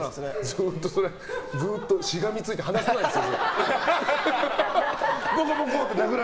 ずっとそれしがみついて離さないですから。